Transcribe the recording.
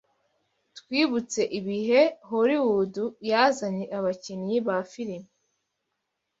Twibutse ibihe Holiwudu yazanye abakinyi ba firime